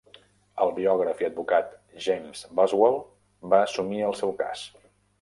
El biògraf i advocat James Boswell va assumir el seu cas.